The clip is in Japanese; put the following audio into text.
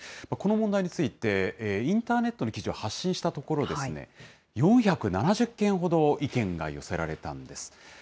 この問題について、インターネットの記事を発信したところですね、４７０件ほど意見が寄せられたんです。